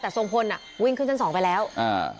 แต่ทรงพลอ่ะวิ่งขึ้นชั้นสองไปแล้วอ่า